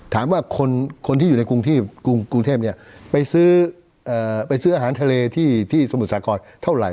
ถามว่าคนที่อยู่ในกรุงเทพไปซื้อไปซื้ออาหารทะเลที่สมุทรสาครเท่าไหร่